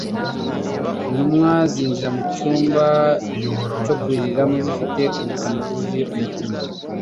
Intumwa zinjira mu cyumba cyo kuriramo zifite ubukana bwuzuye mu mitima.